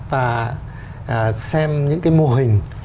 và xem những cái mô hình